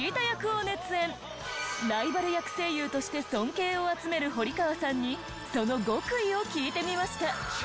ライバル役声優として尊敬を集める堀川さんにその極意を聞いてみました。